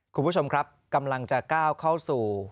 คุณผู้ชมครับกำลังจะก้าวเข้าสู่